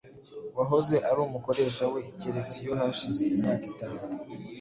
uwahoze ari umukoresha we keretse iyo hashize imyaka itanu